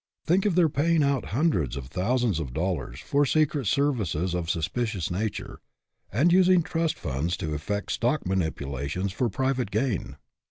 Think of their paying out hun dreds of thousands of dollars for secret ser vices of a suspicious nature, and using trust funds to effect stock manipulations for private gain!